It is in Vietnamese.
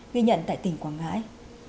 ghi nhận tại tỉnh quảng ngãi